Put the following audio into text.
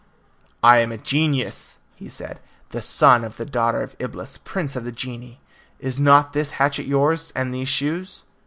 "I am a genius," he said, "the son of the daughter of Eblis, prince of the genii. Is not this hatchet yours, and these shoes?"